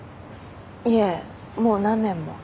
いえもう何年も。